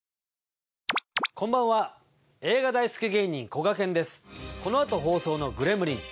このあと放送の『グレムリン』。